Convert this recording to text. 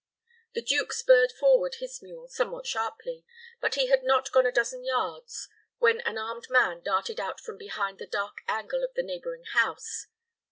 The duke spurred forward his mule somewhat sharply, but he had not gone a dozen yards when an armed man darted out from behind the dark angle of the neighboring house.